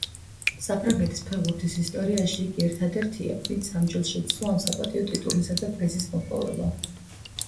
საფრანგეთის ფეხბურთის ისტორიაში იგი ერთადერთია, ვინც სამჯერ შეძლო ამ საპატიო ტიტულისა და პრიზის მოპოვება.